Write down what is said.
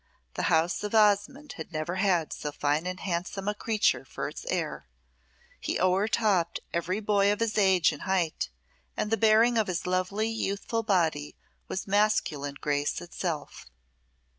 The house of Osmonde had never had so fine and handsome a creature for its heir. He o'ertopped every boy of his age in height, and the bearing of his lovely youthful body was masculine grace itself.